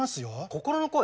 心の声？